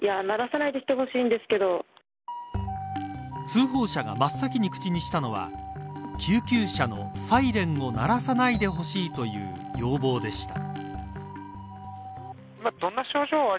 通報者が真っ先に口にしたのは救急車のサイレンを鳴らさないでほしいという要望でした。